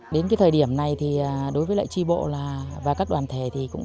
đến thời điểm này đối với tri bộ và các đoàn thể